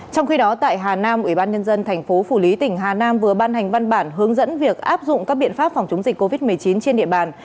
trong khi đó tại hà nam ủy ban nhân dân thành phố phủ lý tỉnh hà nam vừa ban hành văn bản hướng dẫn việc áp dụng các biện pháp phòng chống dịch covid một mươi chín trên địa bàn